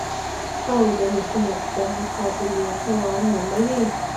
او د محنت د مقابلې توان نه لري